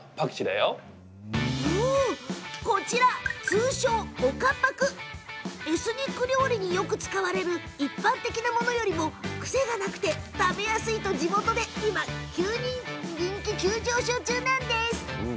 こちら通称、岡パクエスニック料理に使われる一般的なものよりも癖がなくて食べやすいと地元でも今人気急上昇です。